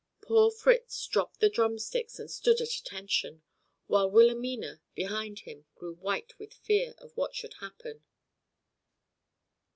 Poor Fritz dropped the drumsticks and stood at attention, while Wilhelmina, behind him, grew white with fear of what should happen.